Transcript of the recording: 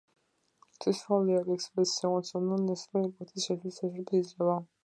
თითოელი პიქსელის სიღრმის ცოდნა ნისლი ეფექტის შექმნის საშუალებას იძლევა.